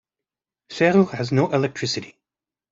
Seru has no electricity.